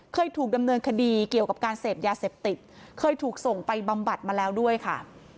เคยถูกดำเนินคดีเกี่ยวกับการเสพยาเสพติดเคยถูกส่งไปบำบัดมาแล้วด้วยค่ะ